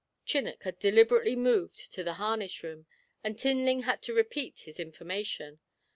Chinnock had deliberately moved to the harness room, and Tinling had to repeat his information.